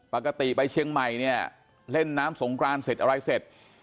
ปกติไปเชียงใหม่เนี่ยเล่นน้ำสงกรานเสร็จอะไรเสร็จ